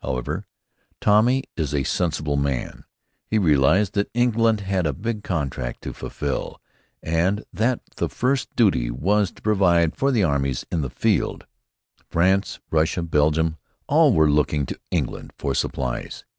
However, Tommy is a sensible man. He realized that England had a big contract to fulfill, and that the first duty was to provide for the armies in the field. France, Russia, Belgium, all were looking to England for supplies.